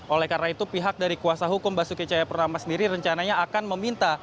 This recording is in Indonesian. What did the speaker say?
oleh karena itu pihak dari kuasa hukum basuki cahayapurnama sendiri rencananya akan meminta